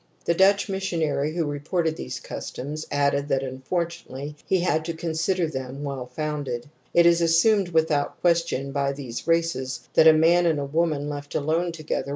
The Dutch missionary who reported these customs added that unfortunately he had to consider them well founded. It is assumed without question by these races that a man and a woman left alone together will " Frazer, Z.c., II, p.